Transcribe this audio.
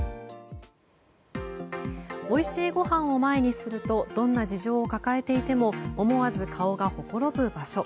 おいしいご飯を前にするとどんな事情を抱えていても思わず顔がほころぶ場所。